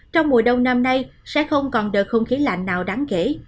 trong mùa đông năm nay sẽ không còn đợt không khí lạnh nào đáng kể